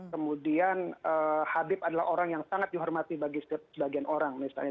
kemudian habib adalah orang yang sangat dihormati bagi sebagian orang misalnya